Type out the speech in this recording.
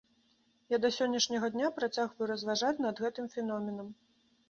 Я да сённяшняга дня працягваю разважаць над гэтым феноменам.